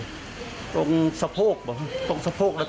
สะโพกสะโพกหรือตรงแล้ว